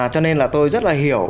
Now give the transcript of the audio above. cho nên là tôi rất là hiểu